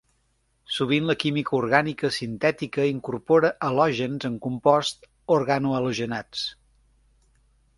Sovint, la química orgànica sintètica incorpora halògens en composts organohalogenats.